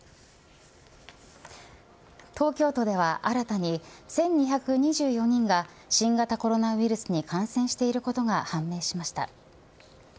東京都では新たに１２２４人が新型コロナウイルスに感染していることが判明しました。